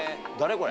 これ。